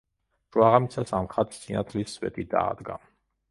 შუაღამისას ამ ხატს სინათლის სვეტი დაადგა.